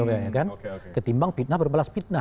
oke oke ketimbang fitnah berbalas fitnah